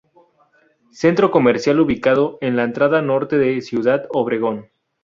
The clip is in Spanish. Centro comercial ubicado en la entrada norte de Ciudad Obregón.